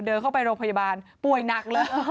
เดินเข้าไปโรงพยาบาลป่วยหนักเลย